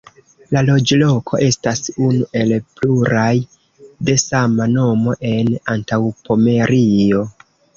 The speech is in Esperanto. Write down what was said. La loĝloko estas unu el pluraj de sama nomo en Antaŭpomerio.